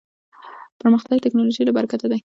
پرمختللې ټکنالوژۍ له برکته دی.